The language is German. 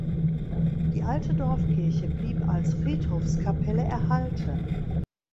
Die alte Dorfkirche blieb als Friedhofskapelle erhalten.